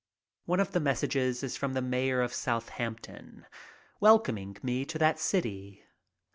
One of the messages is from the mayor of Southampton, welcoming me to that city.